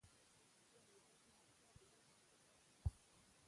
بله دا چې موږ ته د دې موقعې په لاس راځي.